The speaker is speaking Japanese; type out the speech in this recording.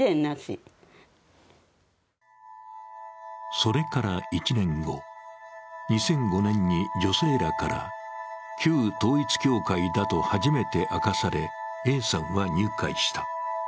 それから１年後、２００５年に女性らから旧統一教会だと初めて明かされ、Ａさんは入会した。